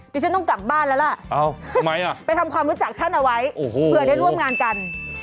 พี่ฉันต้องกลับบ้านแล้วล่ะไปทำความรู้จักท่านเอาไว้เผื่อได้ร่วมงานกันอ้าวทำไมล่ะโอ้โห